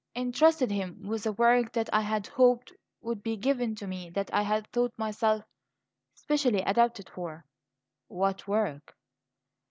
"Intrusted him with a work that I had hoped would be given to me, that I had thought myself specially adapted for." "What work?"